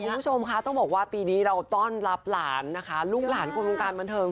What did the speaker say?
คุณผู้ชมคะต้องบอกว่าปีนี้เราต้อนรับหลานนะคะลูกหลานคนวงการบันเทิง